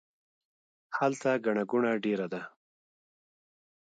هلته ګڼه ګوڼه ډیره ده